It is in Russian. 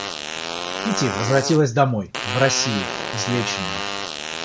Кити возвратилась домой, в Россию, излеченная.